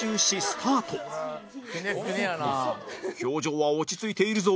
表情は落ち着いているぞ！